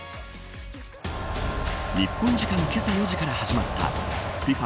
日本時間けさ４時から始まったＦＩＦＡ